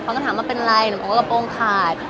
เขาก็ถามว่าเป็นไรหนูบอกว่ากระโปรงขาด